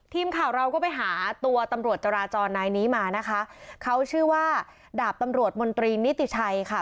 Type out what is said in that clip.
ทีมข่าวเราก็ไปหาตัวตำรวจจราจรนายนี้มานะคะเขาชื่อว่าดาบตำรวจมนตรีนิติชัยค่ะ